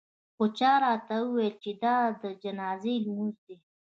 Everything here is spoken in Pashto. خو چا راته وویل چې دا د جنازې لمونځ دی.